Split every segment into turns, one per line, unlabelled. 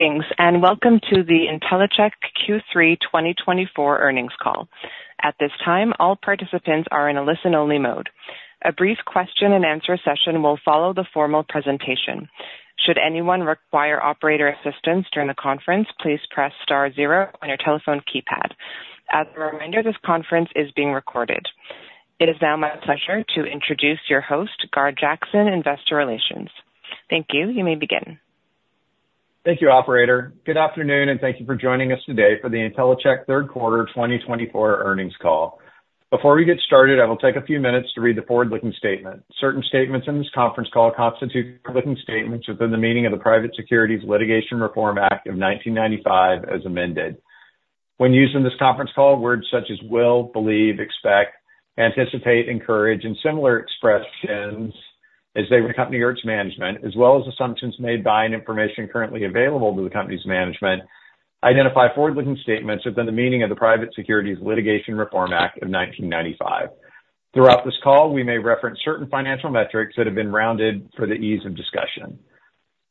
Thanks, and welcome to the Intellicheck Q3 2024 earnings call. At this time, all participants are in a listen-only mode. A brief question-and-answer session will follow the formal presentation. Should anyone require operator assistance during the conference, please press star zero on your telephone keypad. As a reminder, this conference is being recorded. It is now my pleasure to introduce your host, Gar Jackson, Investor Relations. Thank you. You may begin.
Thank you, Operator. Good afternoon, and thank you for joining us today for the Intellicheck Q3 2024 earnings call. Before we get started, I will take a few minutes to read the forward-looking statement. Certain statements in this conference call constitute forward-looking statements within the meaning of the Private Securities Litigation Reform Act of 1995 as amended. When used in this conference call, words such as will, believe, expect, anticipate, encourage, and similar expressions as they would accompany your management, as well as assumptions made by and information currently available to the company's management, identify forward-looking statements within the meaning of the Private Securities Litigation Reform Act of 1995. Throughout this call, we may reference certain financial metrics that have been rounded for the ease of discussion.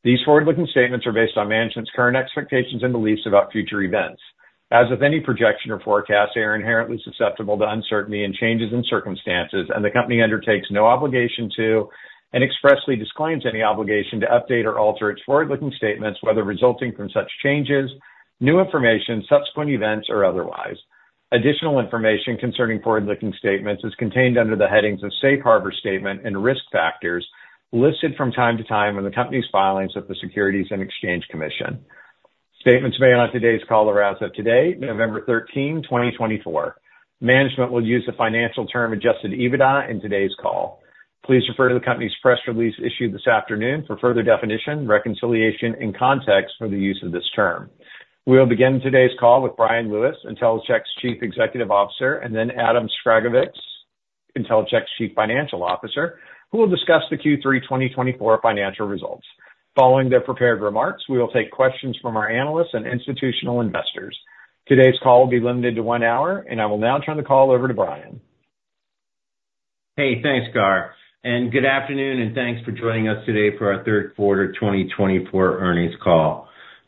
These forward-looking statements are based on management's current expectations and beliefs about future events. As with any projection or forecast, they are inherently susceptible to uncertainty and changes in circumstances, and the company undertakes no obligation to and expressly declines any obligation to update or alter its forward-looking statements, whether resulting from such changes, new information, subsequent events, or otherwise. Additional information concerning forward-looking statements is contained under the headings of Safe Harbor Statement and risk factors listed from time to time in the company's filings with the Securities and Exchange Commission. Statements made on today's call are as of today, November 13, 2024. Management will use the financial term Adjusted EBITDA in today's call. Please refer to the company's press release issued this afternoon for further definition, reconciliation, and context for the use of this term. We will begin today's call with Bryan Lewis, Intellicheck's Chief Executive Officer, and then Adam Sragovicz, Intellicheck's Chief Financial Officer, who will discuss the Q3 2024 financial results. Following their prepared remarks, we will take questions from our analysts and institutional investors. Today's call will be limited to one hour, and I will now turn the call over to Bryan.
Hey, thanks, Gar, and good afternoon, and thanks for joining us today for our Q3 2024 earnings call.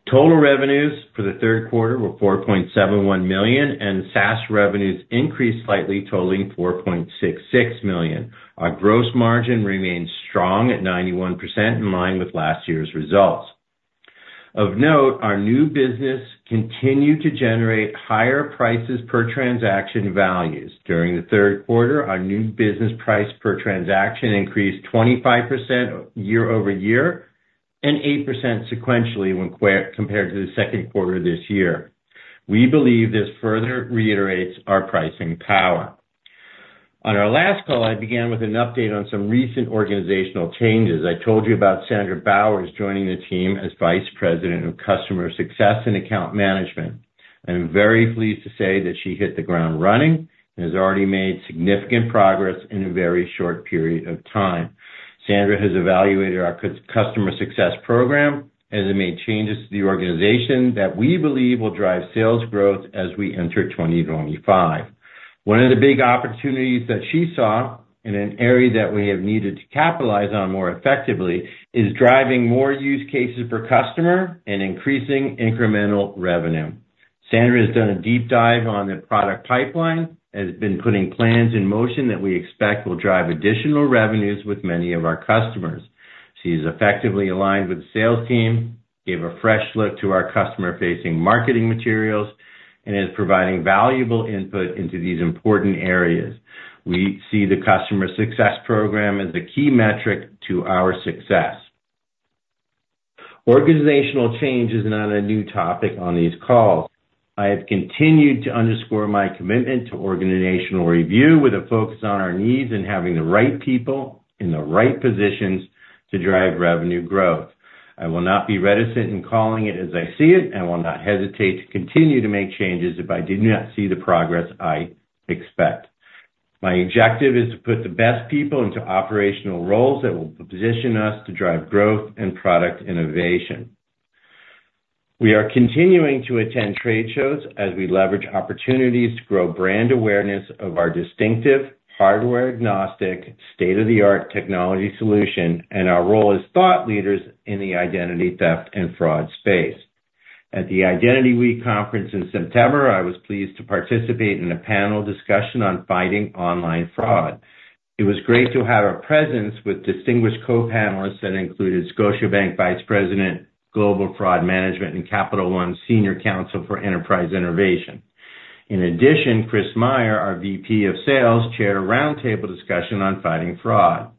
Total revenues for the Q3 were $4.71 million, and SaaS revenues increased slightly, totaling $4.66 million. Our gross margin remains strong at 91%, in line with last year's results. Of note, our new business continued to generate higher prices per transaction values. During the Q3, our new business price per transaction increased 25% year over year and 8% sequentially when compared to the Q2 this year. We believe this further reiterates our pricing power. On our last call, I began with an update on some recent organizational changes. I told you about Sandra Bower is joining the team as Vice President of Customer Success and Account Management. I'm very pleased to say that she hit the ground running and has already made significant progress in a very short period of time. Sandra has evaluated our customer success program and has made changes to the organization that we believe will drive sales growth as we enter 2025. One of the big opportunities that she saw and an area that we have needed to capitalize on more effectively is driving more use cases per customer and increasing incremental revenue. Sandra has done a deep dive on the product pipeline and has been putting plans in motion that we expect will drive additional revenues with many of our customers. She's effectively aligned with the sales team, gave a fresh look to our customer-facing marketing materials, and is providing valuable input into these important areas. We see the customer success program as a key metric to our success. Organizational change is not a new topic on these calls. I have continued to underscore my commitment to organizational review with a focus on our needs and having the right people in the right positions to drive revenue growth. I will not be reticent in calling it as I see it and will not hesitate to continue to make changes if I do not see the progress I expect. My objective is to put the best people into operational roles that will position us to drive growth and product innovation. We are continuing to attend trade shows as we leverage opportunities to grow brand awareness of our distinctive hardware-agnostic, state-of-the-art technology solution, and our role as thought leaders in the identity theft and fraud space. At the Identity Week conference in September, I was pleased to participate in a panel discussion on fighting online fraud. It was great to have a presence with distinguished co-panelists that included Scotiabank Vice President, Global Fraud Management, and Capital One Senior Counsel for Enterprise Innovation. In addition, Chris Meyer, our VP of Sales, chaired a roundtable discussion on fighting fraud.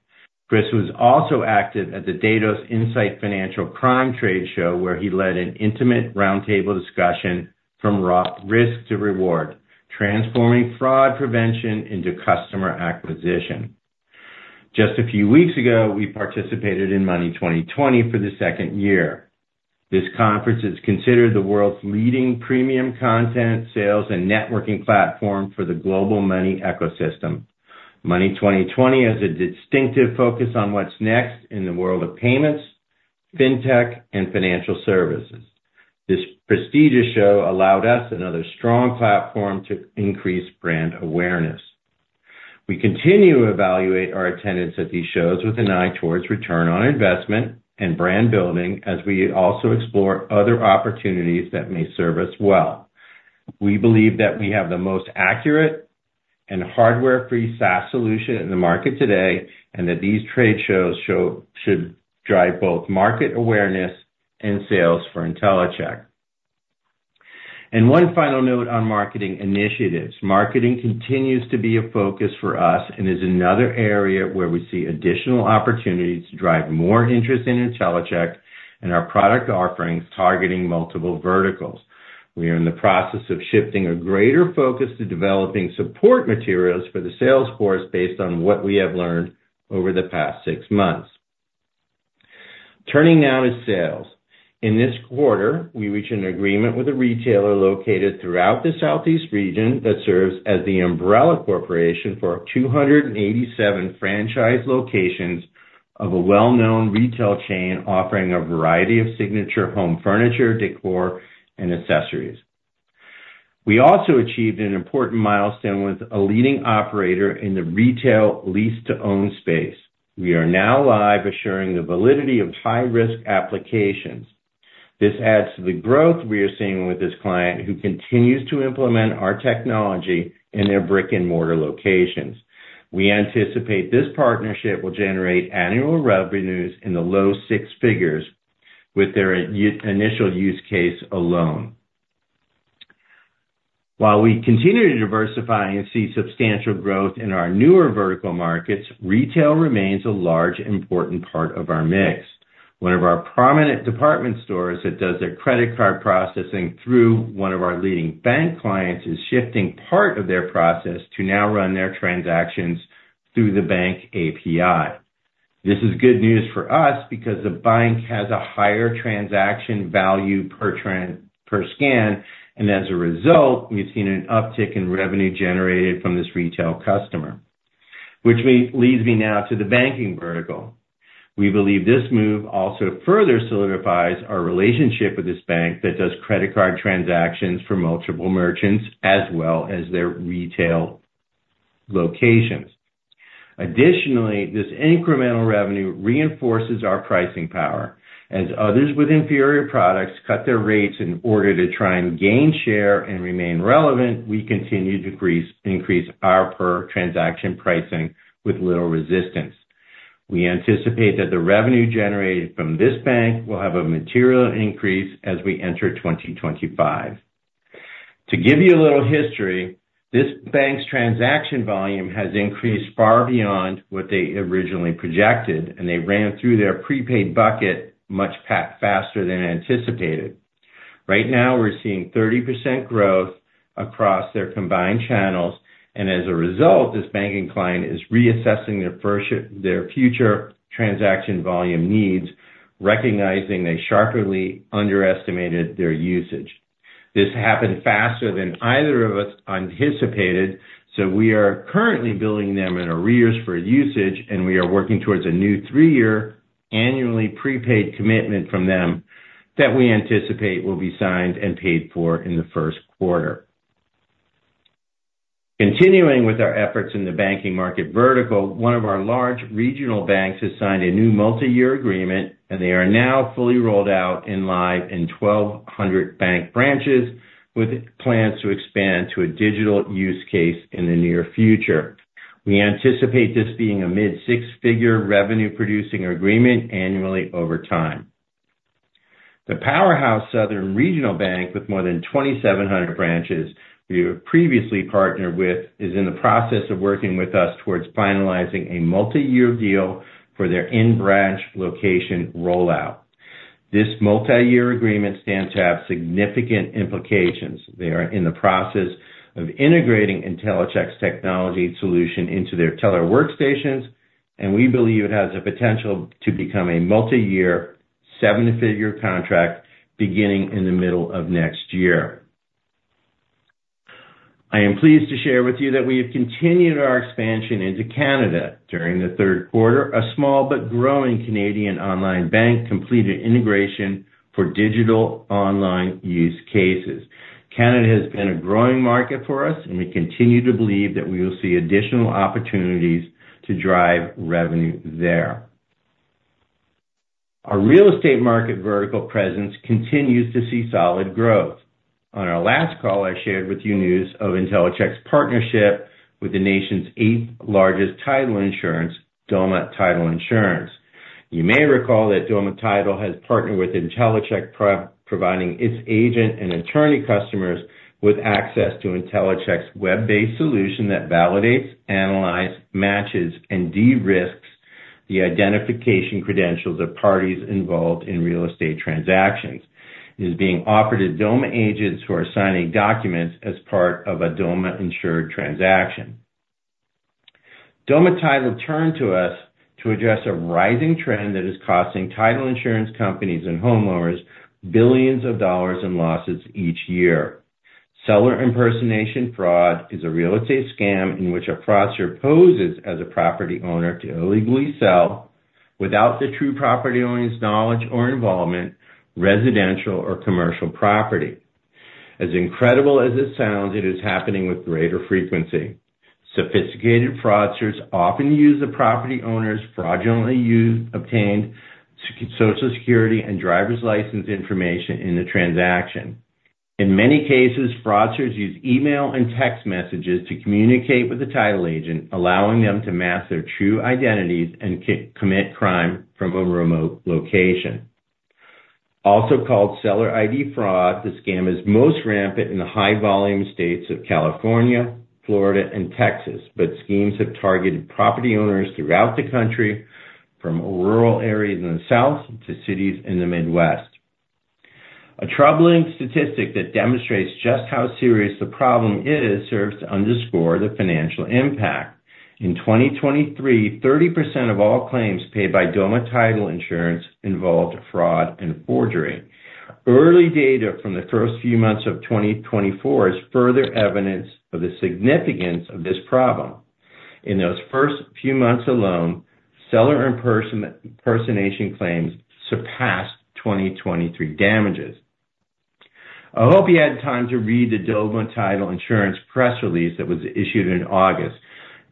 Chris was also active at the Datos Insights Financial Crime Trade Show, where he led an intimate roundtable discussion From Risk to Reward: Transforming Fraud Prevention into Customer Acquisition. Just a few weeks ago, we participated in Money20/20 for the second year. This conference is considered the world's leading premium content sales and networking platform for the global money ecosystem. Money20/20 has a distinctive focus on what's next in the world of payments, fintech, and financial services. This prestigious show allowed us another strong platform to increase brand awareness. We continue to evaluate our attendance at these shows with an eye towards return on investment and brand building as we also explore other opportunities that may serve us well. We believe that we have the most accurate and hardware-free SaaS solution in the market today and that these trade shows should drive both market awareness and sales for Intellicheck. And one final note on marketing initiatives. Marketing continues to be a focus for us and is another area where we see additional opportunities to drive more interest in Intellicheck and our product offerings targeting multiple verticals. We are in the process of shifting a greater focus to developing support materials for the sales force based on what we have learned over the past six months. Turning now to sales. In this quarter, we reached an agreement with a retailer located throughout the Southeast region that serves as the umbrella corporation for 287 franchise locations of a well-known retail chain offering a variety of signature home furniture, decor, and accessories. We also achieved an important milestone with a leading operator in the retail lease-to-own space. We are now live, assuring the validity of high-risk applications. This adds to the growth we are seeing with this client, who continues to implement our technology in their brick-and-mortar locations. We anticipate this partnership will generate annual revenues in the low six figures with their initial use case alone. While we continue to diversify and see substantial growth in our newer vertical markets, retail remains a large, important part of our mix. One of our prominent department stores that does their credit card processing through one of our leading bank clients is shifting part of their process to now run their transactions through the bank API. This is good news for us because the bank has a higher transaction value per scan, and as a result, we've seen an uptick in revenue generated from this retail customer, which leads me now to the banking vertical. We believe this move also further solidifies our relationship with this bank that does credit card transactions for multiple merchants as well as their retail locations. Additionally, this incremental revenue reinforces our pricing power. As others with inferior products cut their rates in order to try and gain share and remain relevant, we continue to increase our per-transaction pricing with little resistance. We anticipate that the revenue generated from this bank will have a material increase as we enter 2025. To give you a little history, this bank's transaction volume has increased far beyond what they originally projected, and they ran through their prepaid bucket much faster than anticipated. Right now, we're seeing 30% growth across their combined channels, and as a result, this banking client is reassessing their future transaction volume needs, recognizing they sharply underestimated their usage. This happened faster than either of us anticipated, so we are currently billing them in arrears for usage, and we are working towards a new three-year annually prepaid commitment from them that we anticipate will be signed and paid for in the Q1. Continuing with our efforts in the banking market vertical, one of our large regional banks has signed a new multi-year agreement, and they are now fully rolled out and live in 1,200 bank branches with plans to expand to a digital use case in the near future. We anticipate this being a mid-six-figure revenue-producing agreement annually over time. The powerhouse Southern Regional Bank, with more than 2,700 branches we have previously partnered with, is in the process of working with us towards finalizing a multi-year deal for their in-branch location rollout. This multi-year agreement stands to have significant implications. They are in the process of integrating Intellicheck's technology solution into their teller workstations, and we believe it has the potential to become a multi-year, seven-figure contract beginning in the middle of next year. I am pleased to share with you that we have continued our expansion into Canada. During the Q3, a small but growing Canadian online bank completed integration for digital online use cases. Canada has been a growing market for us, and we continue to believe that we will see additional opportunities to drive revenue there. Our real estate market vertical presence continues to see solid growth. On our last call, I shared with you news of Intellicheck's partnership with the nation's eighth largest title insurance, Doma Title Insurance. You may recall that Doma Title has partnered with Intellicheck, providing its agent and attorney customers with access to Intellicheck's web-based solution that validates, analyzes, matches, and de-risks the identification credentials of parties involved in real estate transactions. It is being offered to Doma agents who are signing documents as part of a Doma-insured transaction. Doma Title turned to us to address a rising trend that is costing title insurance companies and homeowners billions of dollars in losses each year. Seller impersonation fraud is a real estate scam in which a fraudster poses as a property owner to illegally sell, without the true property owner's knowledge or involvement, residential or commercial property. As incredible as it sounds, it is happening with greater frequency. Sophisticated fraudsters often use the property owner's fraudulently obtained Social Security and driver's license information in the transaction. In many cases, fraudsters use email and text messages to communicate with the title agent, allowing them to mask their true identities and commit crime from a remote location. Also called seller ID fraud, the scam is most rampant in the high-volume states of California, Florida, and Texas, but schemes have targeted property owners throughout the country, from rural areas in the South to cities in the Midwest. A troubling statistic that demonstrates just how serious the problem is serves to underscore the financial impact. In 2023, 30% of all claims paid by Doma Title Insurance involved fraud and forgery. Early data from the first few months of 2024 is further evidence of the significance of this problem. In those first few months alone, seller impersonation claims surpassed 2023 damages. I hope you had time to read the Doma Title Insurance press release that was issued in August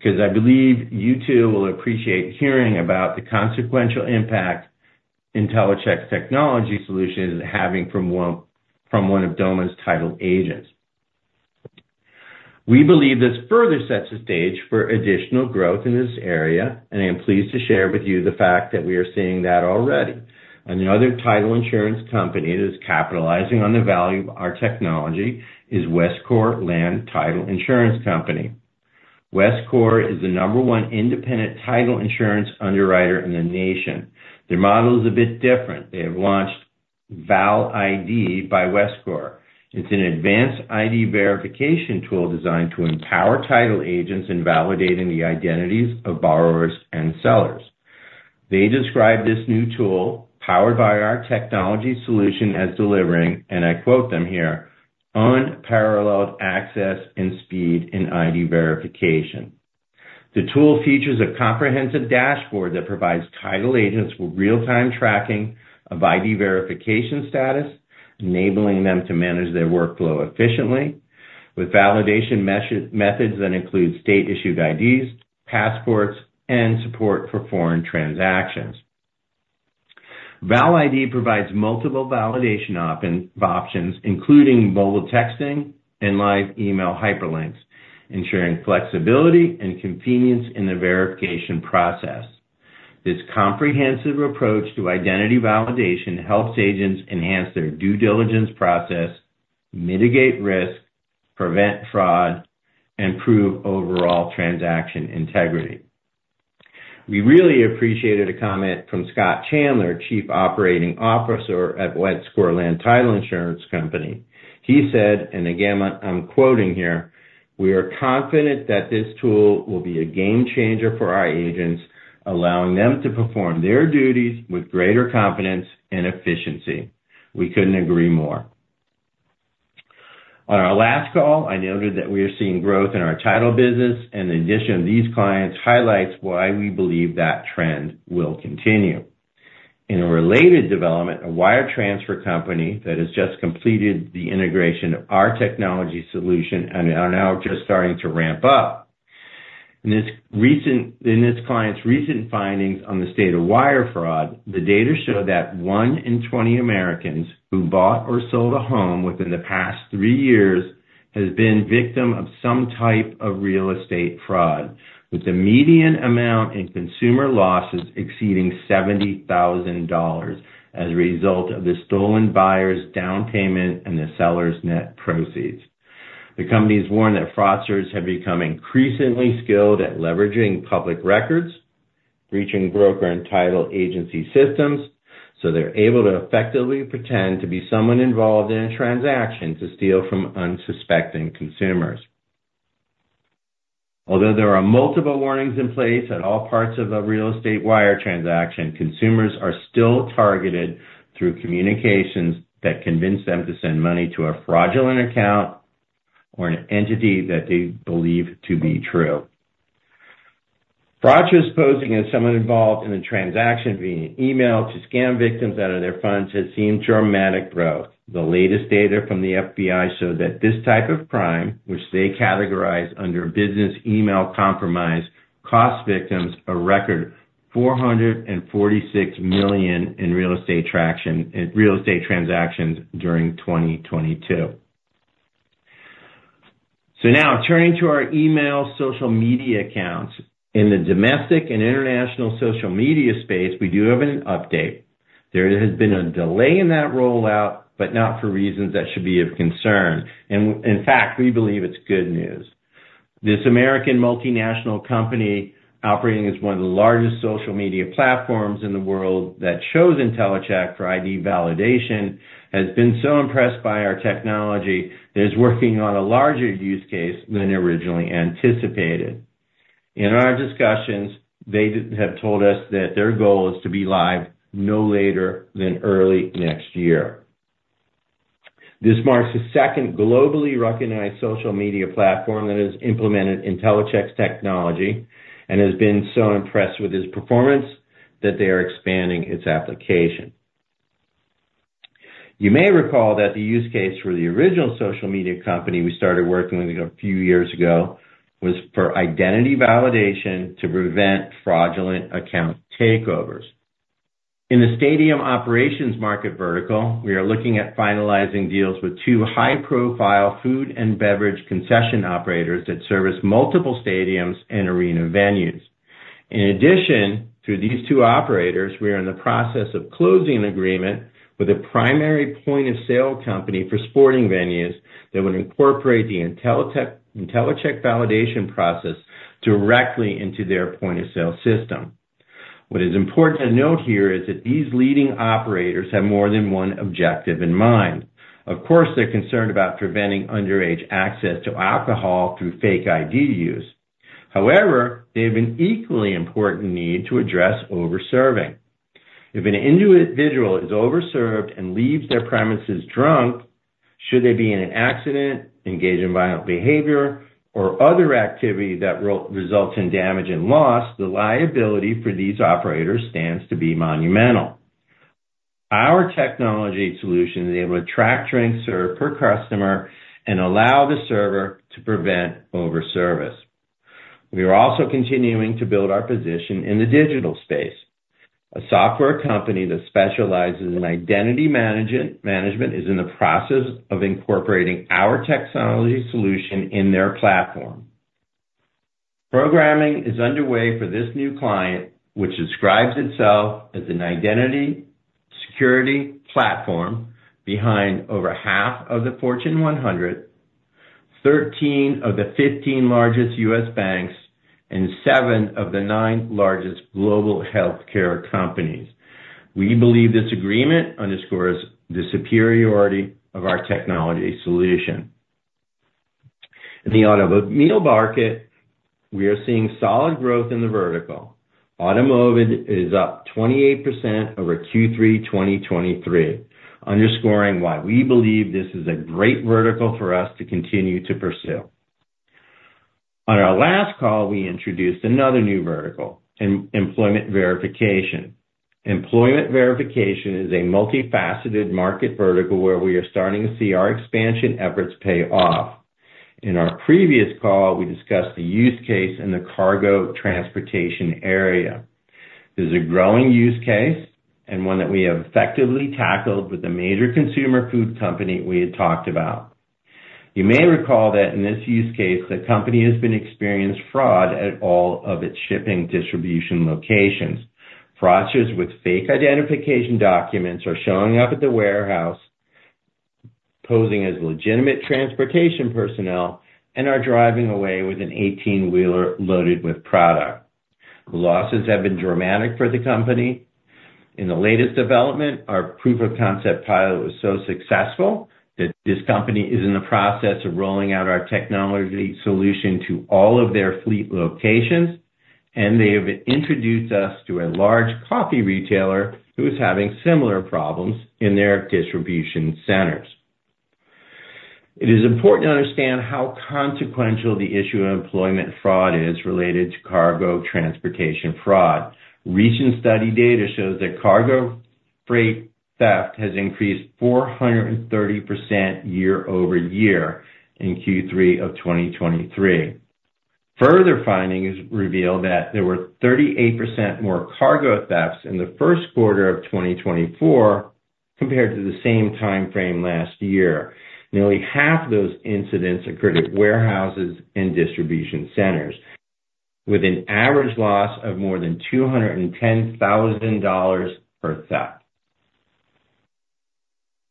because I believe you too will appreciate hearing about the consequential impact Intellicheck's technology solution is having from one of Doma's title agents. We believe this further sets the stage for additional growth in this area, and I am pleased to share with you the fact that we are seeing that already. Another title insurance company that is capitalizing on the value of our technology is Westcor Land Title Insurance Company. Westcor is the number one independent title insurance underwriter in the nation. Their model is a bit different. They have launched ValID by Westcor. It's an advanced ID verification tool designed to empower title agents in validating the identities of borrowers and sellers. They describe this new tool, powered by our technology solution, as delivering, and I quote them here, "unparalleled access and speed in ID verification." The tool features a comprehensive dashboard that provides title agents with real-time tracking of ID verification status, enabling them to manage their workflow efficiently with validation methods that include state-issued IDs, passports, and support for foreign transactions. ValID provides multiple validation options, including mobile texting and live email hyperlinks, ensuring flexibility and convenience in the verification process. This comprehensive approach to identity validation helps agents enhance their due diligence process, mitigate risk, prevent fraud, and improve overall transaction integrity. We really appreciated a comment from Scott Chandler, Chief Operating Officer at Westcor Land Title Insurance Company. He said, and again, I'm quoting here, "We are confident that this tool will be a game changer for our agents, allowing them to perform their duties with greater confidence and efficiency." We couldn't agree more. On our last call, I noted that we are seeing growth in our title business, and the addition of these clients highlights why we believe that trend will continue. In a related development, a wire transfer company that has just completed the integration of our technology solution are now just starting to ramp up. In this client's recent findings on the state of wire fraud, the data show that one in 20 Americans who bought or sold a home within the past three years has been victim of some type of real estate fraud, with the median amount in consumer losses exceeding $70,000 as a result of the stolen buyer's down payment and the seller's net proceeds. The company is warned that fraudsters have become increasingly skilled at leveraging public records, breaching broker and title agency systems, so they're able to effectively pretend to be someone involved in a transaction to steal from unsuspecting consumers. Although there are multiple warnings in place at all parts of a real estate wire transaction, consumers are still targeted through communications that convince them to send money to a fraudulent account or an entity that they believe to be true. Fraudsters posing as someone involved in the transaction, via email to scam victims out of their funds, has seen dramatic growth. The latest data from the FBI show that this type of crime, which they categorize under business email compromise, costs victims a record $446 million in real estate transactions during 2022, so now, turning to our email social media accounts, in the domestic and international social media space, we do have an update. There has been a delay in that rollout, but not for reasons that should be of concern, and in fact, we believe it's good news. This American multinational company operating as one of the largest social media platforms in the world that shows Intellicheck for ID validation has been so impressed by our technology that it's working on a larger use case than originally anticipated. In our discussions, they have told us that their goal is to be live no later than early next year. This marks the second globally recognized social media platform that has implemented Intellicheck's technology and has been so impressed with its performance that they are expanding its application. You may recall that the use case for the original social media company we started working with a few years ago was for identity validation to prevent fraudulent account takeovers. In the stadium operations market vertical, we are looking at finalizing deals with two high-profile food and beverage concession operators that service multiple stadiums and arena venues. In addition, through these two operators, we are in the process of closing an agreement with a primary point of sale company for sporting venues that would incorporate the Intellicheck validation process directly into their point of sale system. What is important to note here is that these leading operators have more than one objective in mind. Of course, they're concerned about preventing underage access to alcohol through fake ID use. However, they have an equally important need to address overserving. If an individual is overserved and leaves their premises drunk, should they be in an accident, engage in violent behavior, or other activity that results in damage and loss, the liability for these operators stands to be monumental. Our technology solution is able to track drink serve per customer and allow the server to prevent overservice. We are also continuing to build our position in the digital space. A software company that specializes in identity management is in the process of incorporating our technology solution in their platform. Programming is underway for this new client, which describes itself as an identity security platform behind over half of the Fortune 100, 13 of the 15 largest U.S. banks, and seven of the nine largest global healthcare companies. We believe this agreement underscores the superiority of our technology solution. In the automobile market, we are seeing solid growth in the vertical. Automotive is up 28% over Q3 2023, underscoring why we believe this is a great vertical for us to continue to pursue. On our last call, we introduced another new vertical, employment verification. Employment verification is a multifaceted market vertical where we are starting to see our expansion efforts pay off. In our previous call, we discussed the use case in the cargo transportation area. This is a growing use case and one that we have effectively tackled with the major consumer food company we had talked about. You may recall that in this use case, the company has been experiencing fraud at all of its shipping distribution locations. Fraudsters with fake identification documents are showing up at the warehouse, posing as legitimate transportation personnel, and are driving away with an 18-wheeler loaded with product. The losses have been dramatic for the company. In the latest development, our proof of concept pilot was so successful that this company is in the process of rolling out our technology solution to all of their fleet locations, and they have introduced us to a large coffee retailer who is having similar problems in their distribution centers. It is important to understand how consequential the issue of employment fraud is related to cargo transportation fraud. Recent study data shows that cargo freight theft has increased 430% year over year in Q3 of 2023. Further findings reveal that there were 38% more cargo thefts in the Q1 of 2024 compared to the same timeframe last year. Nearly half of those incidents occurred at warehouses and distribution centers, with an average loss of more than $210,000 per theft.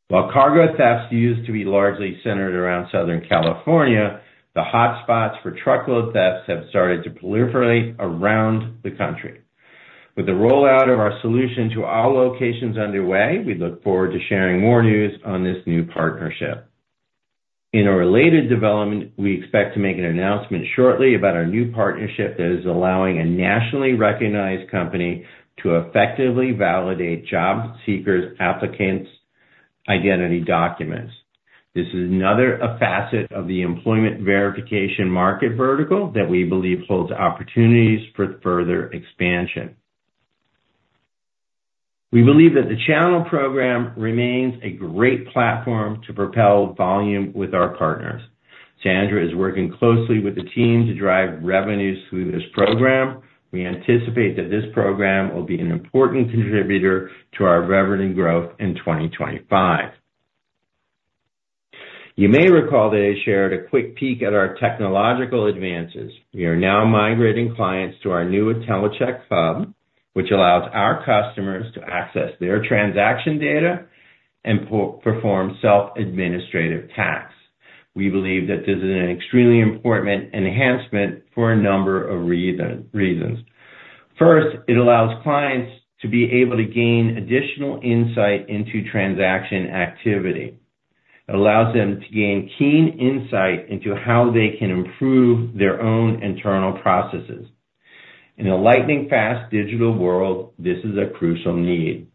While cargo thefts used to be largely centered around Southern California, the hotspots for truckload thefts have started to proliferate around the country. With the rollout of our solution to all locations underway, we look forward to sharing more news on this new partnership. In a related development, we expect to make an announcement shortly about our new partnership that is allowing a nationally recognized company to effectively validate job seekers' applicants' identity documents. This is another facet of the employment verification market vertical that we believe holds opportunities for further expansion. We believe that the Channel Program remains a great platform to propel volume with our partners. Sandra is working closely with the team to drive revenues through this program. We anticipate that this program will be an important contributor to our revenue growth in 2025. You may recall that I shared a quick peek at our technological advances. We are now migrating clients to our new Intellicheck Hub, which allows our customers to access their transaction data and perform self-administrative tasks. We believe that this is an extremely important enhancement for a number of reasons. First, it allows clients to be able to gain additional insight into transaction activity. It allows them to gain keen insight into how they can improve their own internal processes. In a lightning-fast digital world, this is a crucial need.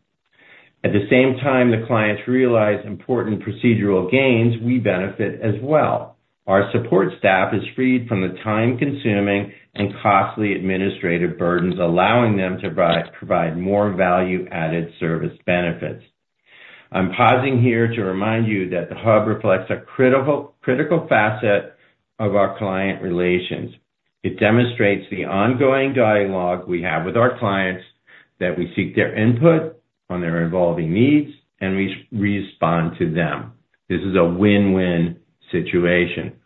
At the same time that clients realize important procedural gains, we benefit as well. Our support staff is freed from the time-consuming and costly administrative burdens, allowing them to provide more value-added service benefits. I'm pausing here to remind you that the hub reflects a critical facet of our client relations. It demonstrates the ongoing dialogue we have with our clients, that we seek their input on their evolving needs, and we respond to them. This is a win-win situation,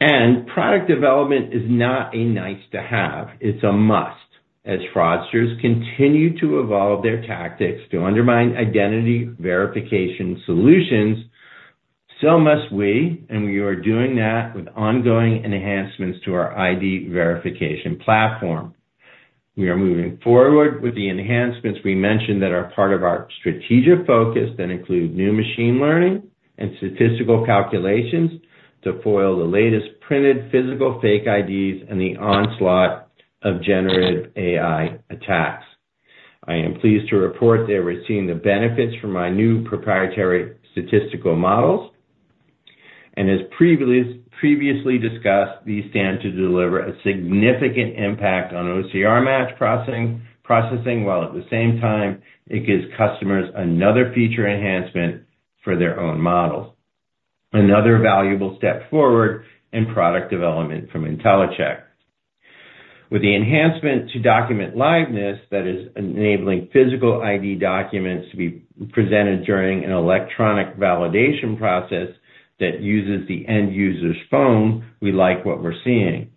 and product development is not a nice-to-have. It's a must. As fraudsters continue to evolve their tactics to undermine identity verification solutions, so must we, and we are doing that with ongoing enhancements to our ID verification platform. We are moving forward with the enhancements we mentioned that are part of our strategic focus that include new machine learning and statistical calculations to foil the latest printed physical fake IDs and the onslaught of generative AI attacks. I am pleased to report they are receiving the benefits from our new proprietary statistical models, and as previously discussed, these stand to deliver a significant impact on OCR match processing, while at the same time, it gives customers another feature enhancement for their own models. Another valuable step forward in product development from Intellicheck. With the enhancement to document liveness that is enabling physical ID documents to be presented during an electronic validation process that uses the end user's phone, we like what we're seeing.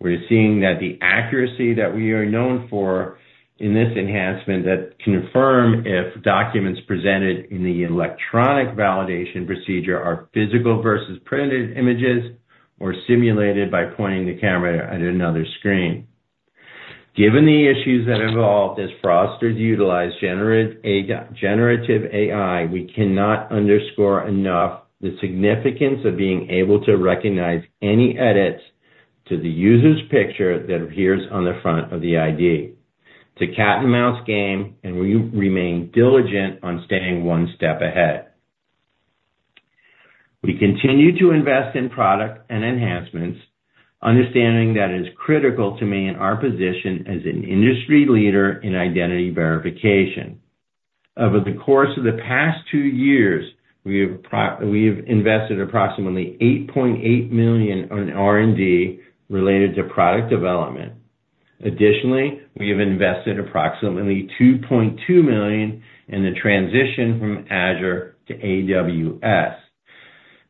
We're seeing that the accuracy that we are known for in this enhancement that confirms if documents presented in the electronic validation procedure are physical versus printed images or simulated by pointing the camera at another screen. Given the issues that have evolved as fraudsters utilize generative AI, we cannot underscore enough the significance of being able to recognize any edits to the user's picture that appears on the front of the ID. It's a cat-and-mouse game, and we remain diligent on staying one step ahead. We continue to invest in product and enhancements, understanding that it is critical to maintain our position as an industry leader in identity verification. Over the course of the past two years, we have invested approximately $8.8 million in R&D related to product development. Additionally, we have invested approximately $2.2 million in the transition from Azure to AWS.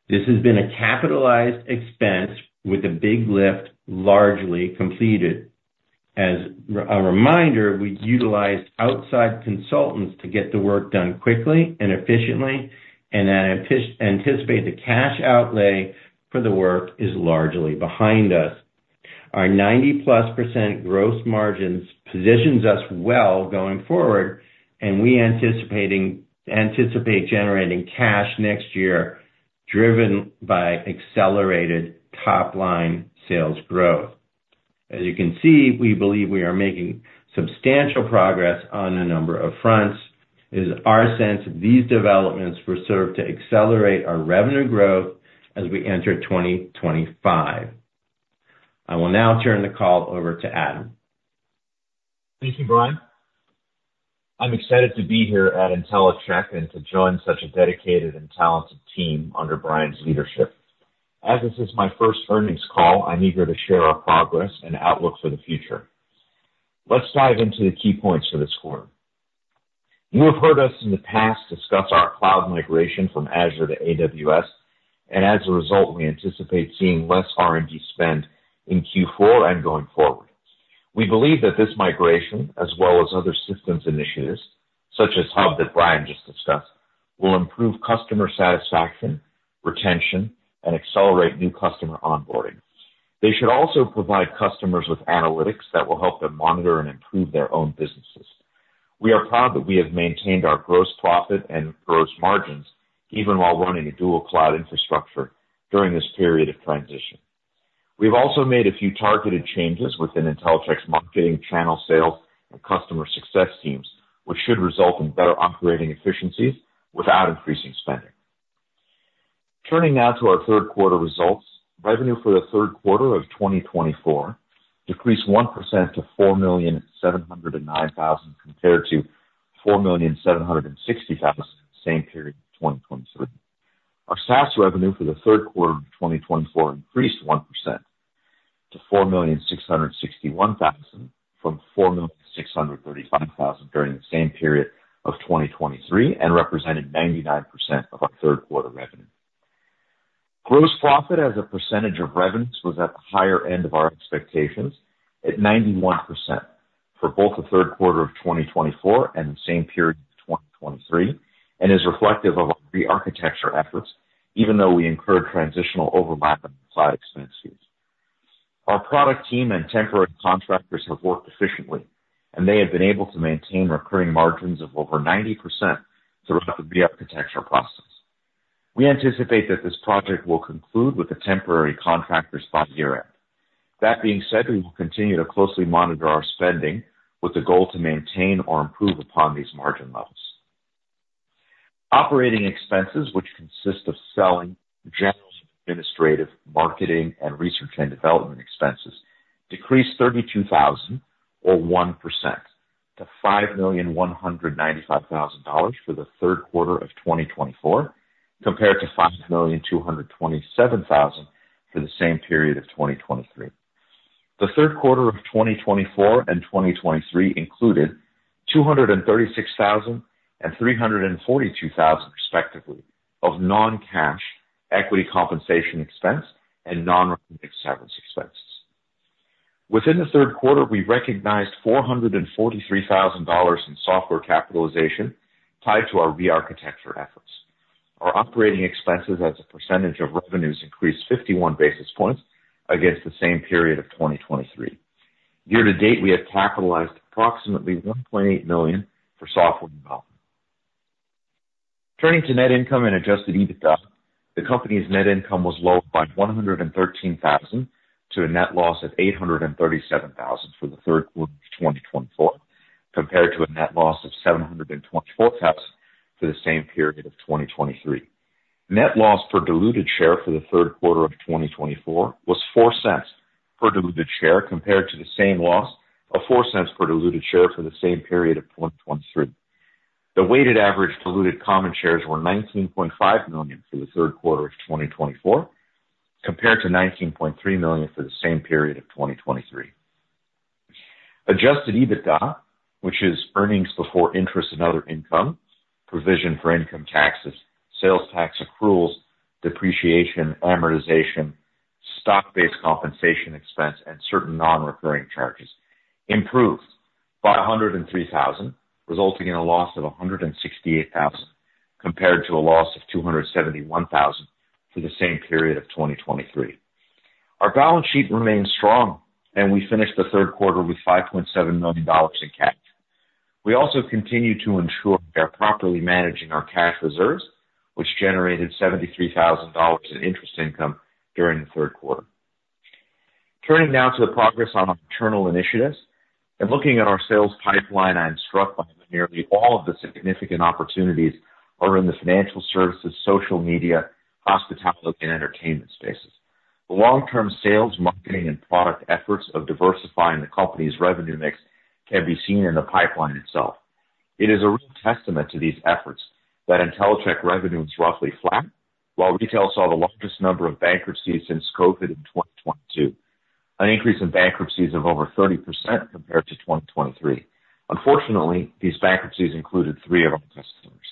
This has been a capitalized expense, with the big lift largely completed. As a reminder, we utilized outside consultants to get the work done quickly and efficiently, and anticipate the cash outlay for the work is largely behind us. Our 90-plus% gross margins position us well going forward, and we anticipate generating cash next year driven by accelerated top-line sales growth. As you can see, we believe we are making substantial progress on a number of fronts. It is our sense that these developments will serve to accelerate our revenue growth as we enter 2025. I will now turn the call over to Adam.
Thank you, Bryan. I'm excited to be here at Intellicheck and to join such a dedicated and talented team under Bryan's leadership. As this is my first earnings call, I'm eager to share our progress and outlook for the future. Let's dive into the key points for this quarter. You have heard us in the past discuss our cloud migration from Azure to AWS, and as a result, we anticipate seeing less R&D spend in Q4 and going forward. We believe that this migration, as well as other systems initiatives such as Hub that Bryan just discussed, will improve customer satisfaction, retention, and accelerate new customer onboarding. They should also provide customers with analytics that will help them monitor and improve their own businesses. We are proud that we have maintained our gross profit and gross margins even while running a dual cloud infrastructure during this period of transition. We've also made a few targeted changes within Intellicheck's marketing channel sales and customer success teams, which should result in better operating efficiencies without increasing spending. Turning now to our Q3 results, revenue for the Q3 of 2024 decreased 1% to $4,709,000 compared to $4,760,000 same period of 2023. Our SaaS revenue for the Q3 of 2024 increased 1% to $4,661,000 from $4,635,000 during the same period of 2023 and represented 99% of our Q3 revenue. Gross profit as a percentage of revenues was at the higher end of our expectations at 91% for both the Q3 of 2024 and the same period of 2023, and is reflective of our re-architecture efforts, even though we incurred transitional overlap in cloud expenses. Our product team and temporary contractors have worked efficiently, and they have been able to maintain recurring margins of over 90% throughout the re-architecture process. We anticipate that this project will conclude with the temporary contractors by year-end. That being said, we will continue to closely monitor our spending with the goal to maintain or improve upon these margin levels. Operating expenses, which consist of selling, general administrative, marketing, and research and development expenses, decreased $32,000 or 1% to $5,195,000 for the Q3 of 2024 compared to $5,227,000 for the same period of 2023. The Q3 of 2024 and 2023 included $236,000 and $342,000 respectively of non-cash equity compensation expense and non-revenue service expenses. Within the Q3, we recognized $443,000 in software capitalization tied to our re-architecture efforts. Our operating expenses as a percentage of revenues increased 51 basis points against the same period of 2023. Year-to-date, we have capitalized approximately $1.8 million for software development. Turning to net income and Adjusted EBITDA, the company's net income was lowered by $113,000 to a net loss of $837,000 for the Q3 of 2024 compared to a net loss of $724,000 for the same period of 2023. Net loss per diluted share for the Q3 of 2024 was $0.04 per diluted share compared to the same loss of $0.04 per diluted share for the same period of 2023. The weighted average diluted common shares were 19.5 million for the Q3 of 2024 compared to 19.3 million for the same period of 2023. Adjusted EBITDA, which is earnings before interest and other income, provision for income taxes, sales tax accruals, depreciation, amortization, stock-based compensation expense, and certain non-recurring charges, improved by $103,000, resulting in a loss of $168,000 compared to a loss of $271,000 for the same period of 2023. Our balance sheet remained strong, and we finished the Q3 with $5.7 million in cash. We also continue to ensure we are properly managing our cash reserves, which generated $73,000 in interest income during the Q3. Turning now to the progress on our internal initiatives and looking at our sales pipeline, which is structured such that nearly all of the significant opportunities are in the financial services, social media, hospitality, and entertainment spaces. The long-term sales, marketing, and product efforts of diversifying the company's revenue mix can be seen in the pipeline itself. It is a real testament to these efforts that Intellicheck revenues roughly flat, while retail saw the largest number of bankruptcies since COVID in 2022, an increase in bankruptcies of over 30% compared to 2023. Unfortunately, these bankruptcies included three of our customers.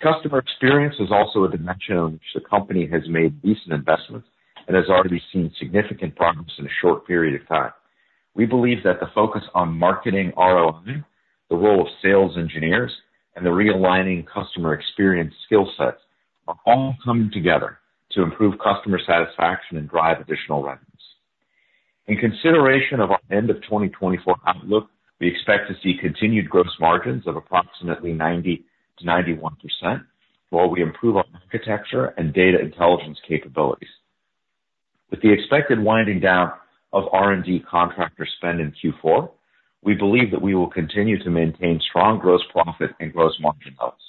Customer experience is also a dimension in which the company has made recent investments and has already seen significant progress in a short period of time. We believe that the focus on marketing ROI, the role of sales engineers, and the realigning customer experience skill sets are all coming together to improve customer satisfaction and drive additional revenues. In consideration of our end-of-2024 outlook, we expect to see continued gross margins of approximately 90%-91% while we improve our architecture and data intelligence capabilities. With the expected winding down of R&D contractor spend in Q4, we believe that we will continue to maintain strong gross profit and gross margin levels.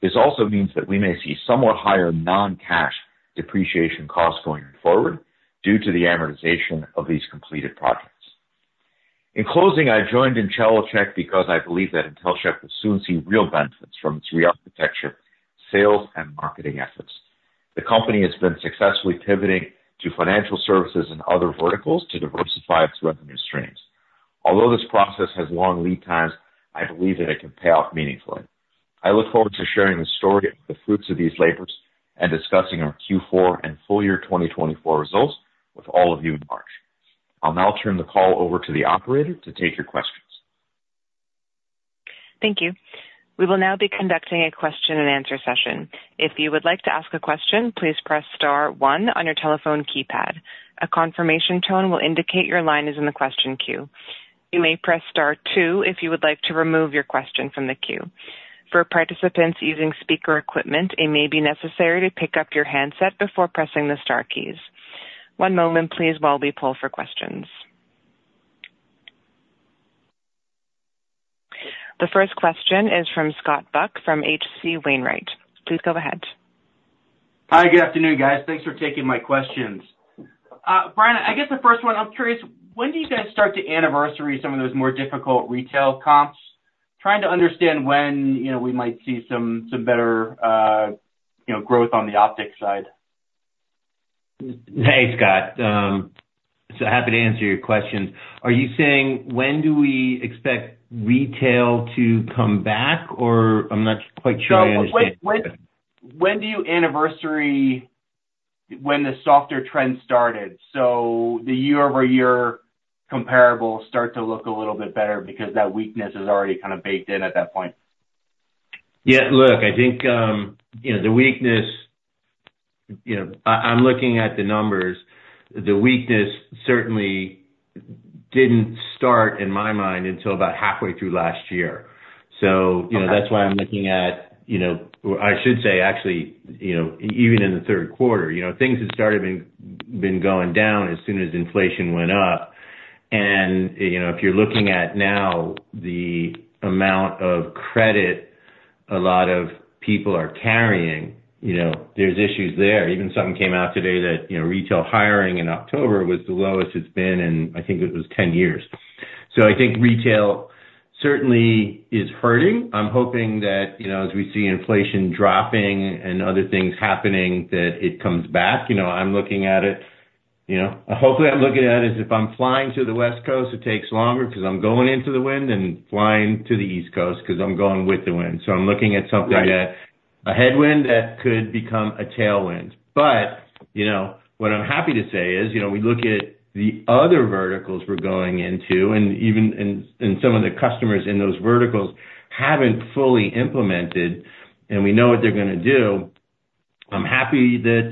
This also means that we may see somewhat higher non-cash depreciation costs going forward due to the amortization of these completed projects. In closing, I joined Intellicheck because I believe that Intellicheck will soon see real benefits from its re-architecture, sales, and marketing efforts. The company has been successfully pivoting to financial services and other verticals to diversify its revenue streams. Although this process has long lead times, I believe that it can pay off meaningfully. I look forward to sharing the story of the fruits of these laborers and discussing our Q4 and full year 2024 results with all of you in March. I'll now turn the call over to the operator to take your questions.
Thank you. We will now be conducting a Q&A session. If you would like to ask a question, please press star one on your telephone keypad. A confirmation tone will indicate your line is in the question queue. You may press star two if you would like to remove your question from the queue. For participants using speaker equipment, it may be necessary to pick up your handset before pressing the star keys. One moment, please, while we pull for questions. The first question is from Scott Buck from H.C. Wainwright. Please go ahead.
Hi, good afternoon, guys. Thanks for taking my questions. Bryan, I guess the first one, I'm curious, when do you guys start to anniversary some of those more difficult retail comps?
Trying to understand when we might see some better growth on the optics side. Hey, Scott. So happy to answer your question. Are you saying when do we expect retail to come back, or I'm not quite sure I understand?
When do you anniversary when the softer trend started, so the year-over-year comparables start to look a little bit better because that weakness is already kind of baked in at that point?
Yeah, look, I think the weakness. I'm looking at the numbers. The weakness certainly didn't start, in my mind, until about halfway through last year. So that's why I'm looking at, or I should say, actually, even in the Q3. Things had started been going down as soon as inflation went up. And if you're looking at now the amount of credit a lot of people are carrying, there's issues there. Even something came out today that retail hiring in October was the lowest it's been in, I think it was, 10 years. So I think retail certainly is hurting. I'm hoping that as we see inflation dropping and other things happening, that it comes back. I'm looking at it hopefully. I'm looking at it as if I'm flying to the West Coast. It takes longer because I'm going into the wind, and flying to the East Coast because I'm going with the wind. So I'm looking at something like a headwind that could become a tailwind. But what I'm happy to say is we look at the other verticals we're going into, and even some of the customers in those verticals haven't fully implemented, and we know what they're going to do. I'm happy that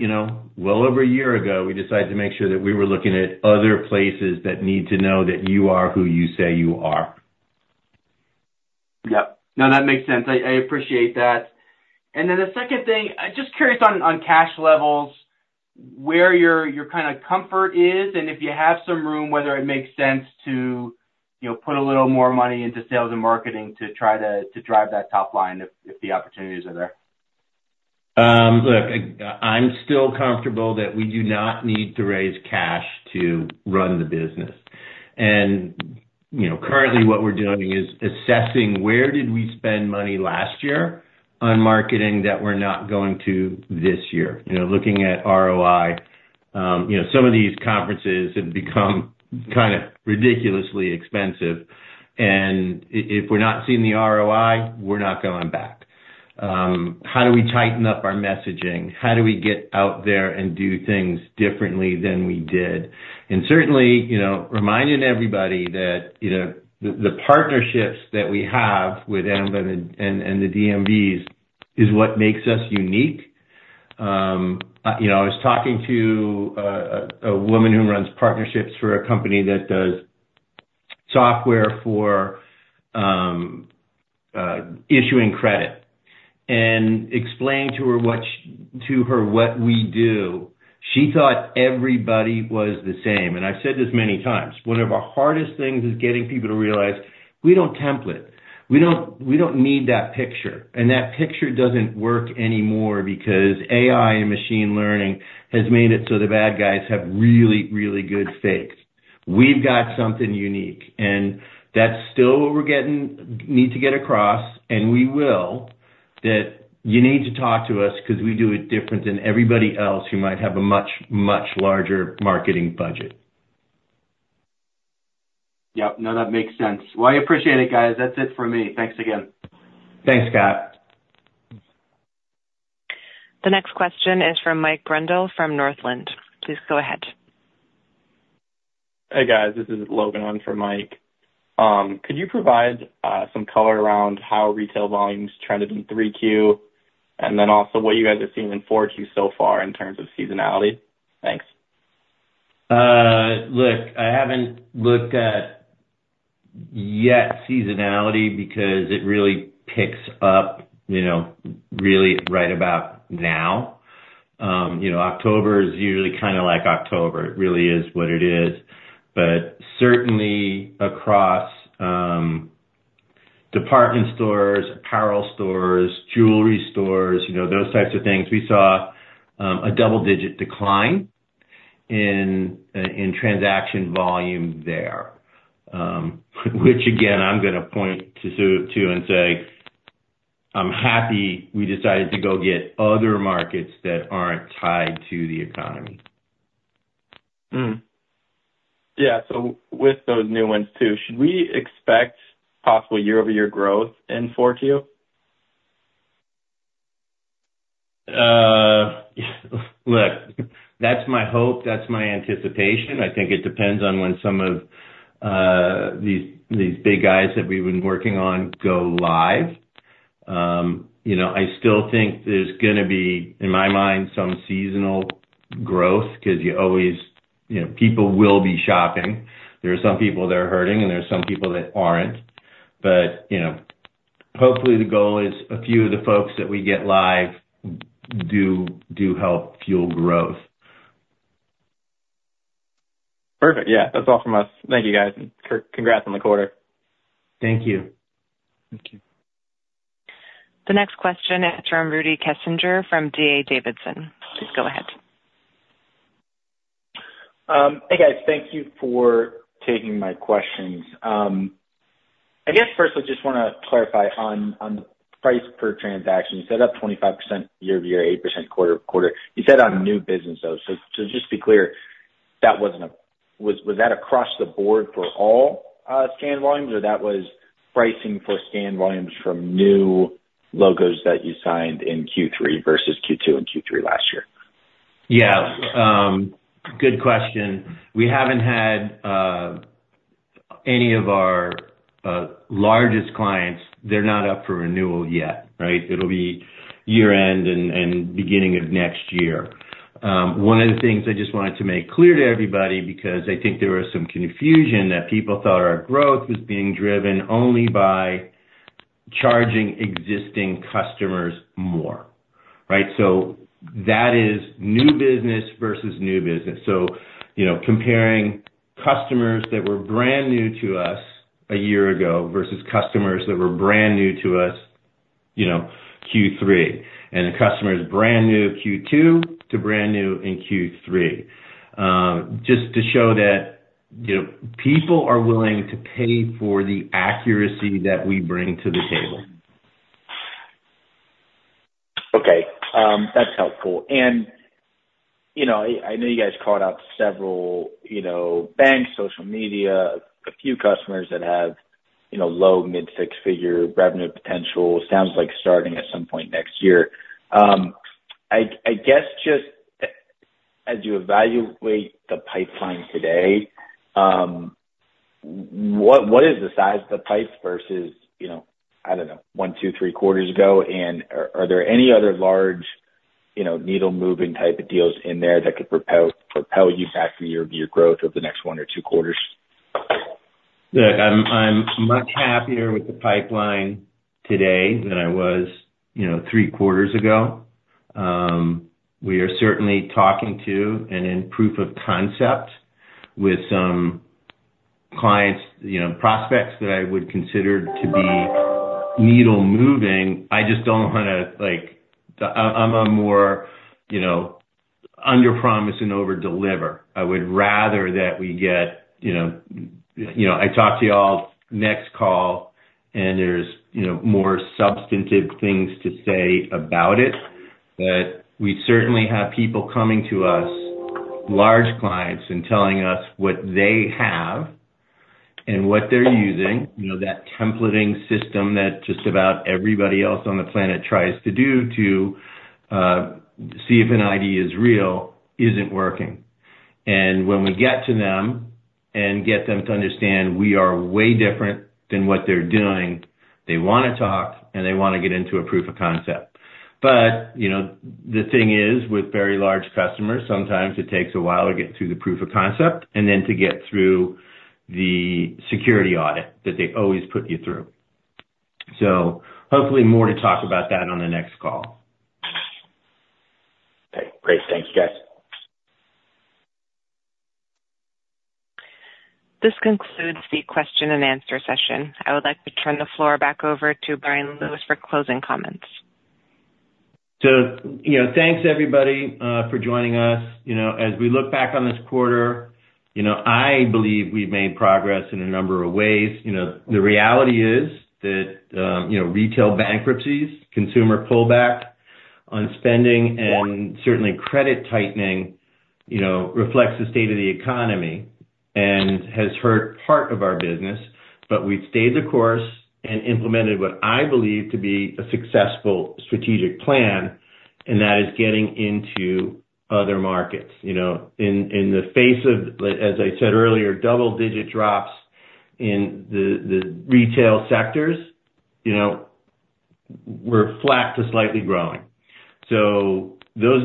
well over a year ago, we decided to make sure that we were looking at other places that need to know that you are who you say you are.
Yep. No, that makes sense. I appreciate that. And then the second thing, just curious on cash levels, where your kind of comfort is, and if you have some room, whether it makes sense to put a little more money into sales and marketing to try to drive that top line if the opportunities are there.
Look, I'm still comfortable that we do not need to raise cash to run the business. Currently, what we're doing is assessing where we spent money last year on marketing that we're not going to this year. Looking at ROI, some of these conferences have become kind of ridiculously expensive. And if we're not seeing the ROI, we're not going back. How do we tighten up our messaging? How do we get out there and do things differently than we did? And certainly, reminding everybody that the partnerships that we have with AAMVA and the DMVs is what makes us unique. I was talking to a woman who runs partnerships for a company that does software for issuing credit. And explaining to her what we do, she thought everybody was the same. And I've said this many times. One of our hardest things is getting people to realize we don't template. We don't need that picture. And that picture doesn't work anymore because AI and machine learning has made it so the bad guys have really, really good fakes. We've got something unique. And that's still what we need to get across, and we will, that you need to talk to us because we do it different than everybody else who might have a much, much larger marketing budget.
Yep. No, that makes sense. Well, I appreciate it, guys. That's it for me. Thanks again.
Thanks, Scott.
The next question is from Mike Grondahl from Northland. Please go ahead. Hey, guys.
This is Logan on for Mike. Could you provide some color around how retail volumes trended in Q3 and then also what you guys are seeing in Q4 so far in terms of seasonality? Thanks.
Look, I haven't looked at yet seasonality because it really picks up right about now. October is usually kind of like October. It really is what it is. But certainly, across department stores, apparel stores, jewelry stores, those types of things, we saw a double-digit decline in transaction volume there, which, again, I'm going to point to and say, "I'm happy we decided to go get other markets that aren't tied to the economy."
Yeah. So with those new ones too, should we expect possible year-over-year growth in Q4?
Look, that's my hope. That's my anticipation. I think it depends on when some of these big guys that we've been working on go live. I still think there's going to be, in my mind, some seasonal growth because you always people will be shopping. There are some people that are hurting, and there are some people that aren't. But hopefully, the goal is a few of the folks that we get live do help fuel growth.
Perfect. Yeah. That's all from us. Thank you, guys. And congrats on the quarter.
Thank you. Thank you.
The next question is from Rudy Kessinger from D.A. Davidson. Please go ahead.
Hey, guys. Thank you for taking my questions. I guess first, I just want to clarify on the price per transaction. You said up 25% year-over-year, 8% quarter-over-quarter. You said on new business, though. So just to be clear, was that across the board for all scan volumes, or that was pricing for scan volumes from new logos that you signed in Q3 versus Q2 and Q3 last year?
Yeah. Good question. We haven't had any of our largest clients, they're not up for renewal yet, right? It'll be year-end and beginning of next year. One of the things I just wanted to make clear to everybody because I think there was some confusion that people thought our growth was being driven only by charging existing customers more, right? So that is new business versus new business. So comparing customers that were brand new to us a year ago versus customers that were brand new to us in Q3, and customers that were brand new in Q2 to brand new in Q3, just to show that people are willing to pay for the accuracy that we bring to the table.
Okay. That's helpful. And I know you guys called out several banks, social media, a few customers that have low, mid-six-figure revenue potential, sounds like starting at some point next year. I guess just as you evaluate the pipeline today, what is the size of the pipe versus, I don't know, one, two, three quarters ago? And are there any other large needle-moving type of deals in there that could propel you back to your growth over the next one or two quarters?
Look, I'm much happier with the pipeline today than I was three quarters ago. We are certainly talking to and in proof of concept with some clients, prospects that I would consider to be needle-moving. I just don't want to. I'm more under-promise and over-deliver. I would rather that we get. I talk to y'all next call, and there's more substantive things to say about it. But we certainly have people coming to us, large clients, and telling us what they have and what they're using, that templating system that just about everybody else on the planet tries to do to see if an ID is real, isn't working, and when we get to them and get them to understand we are way different than what they're doing, they want to talk, and they want to get into a proof of concept. But the thing is, with very large customers, sometimes it takes a while to get through the proof of concept and then to get through the security audit that they always put you through. So hopefully, more to talk about that on the next call.
Okay. Great. Thank you, guys.
This concludes the Q&A session. I would like to turn the floor back over to Bryan Lewis for closing comments.
So thanks, everybody, for joining us. As we look back on this quarter, I believe we've made progress in a number of ways. The reality is that retail bankruptcies, consumer pullback on spending, and certainly credit tightening reflects the state of the economy and has hurt part of our business. But we've stayed the course and implemented what I believe to be a successful strategic plan, and that is getting into other markets. In the face of, as I said earlier, double-digit drops in the retail sectors, we're flat to slightly growing. So those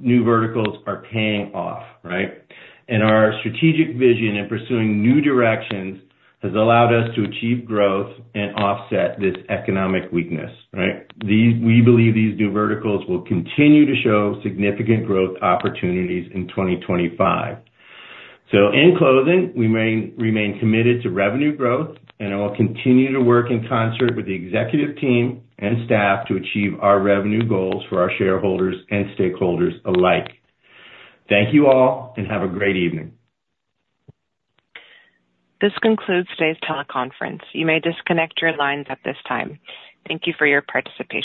new verticals are paying off, right? And our strategic vision in pursuing new directions has allowed us to achieve growth and offset this economic weakness, right? We believe these new verticals will continue to show significant growth opportunities in 2025. So in closing, we remain committed to revenue growth, and I will continue to work in concert with the executive team and staff to achieve our revenue goals for our shareholders and stakeholders alike. Thank you all, and have a great evening.
This concludes today's teleconference. You may disconnect your lines at this time. Thank you for your participation.